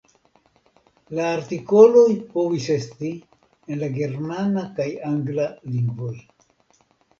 La artikoloj povis esti en la germana kaj angla lingvoj.